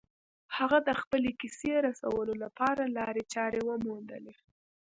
هغه د خپلې کیسې رسولو لپاره لارې چارې وموندلې